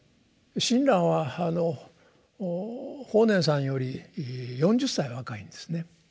親鸞は法然さんより４０歳若いんですね。